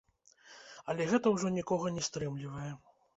Але гэта ўжо нікога не стрымлівае.